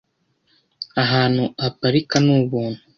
Ahantu haparika ni ubuntu .